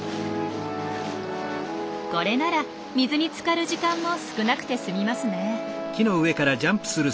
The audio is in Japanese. これなら水につかる時間も少なくて済みますね。